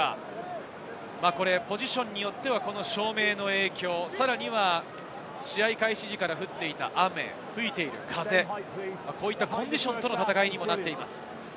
ポジションによっては照明の影響、さらには試合開始時から降っていた雨、吹いている風、こういったコンディションとの戦いにもなっています。